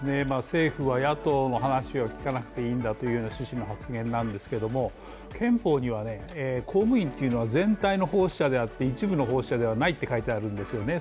政府は野党の話は聞かなくていいんだというような趣旨の発言なんですが憲法には、公務員というのは全体の奉仕者であって一部の奉仕者ではないって書いてあるんですよね。